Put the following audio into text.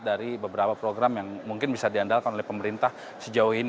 dari beberapa program yang mungkin bisa diandalkan oleh pemerintah sejauh ini